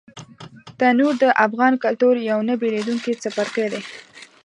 تنور د افغان کلتور یو نه بېلېدونکی څپرکی دی